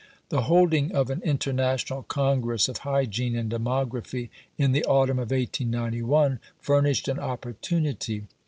The holding of an International Congress of Hygiene and Demography in the autumn of 1891 furnished an opportunity.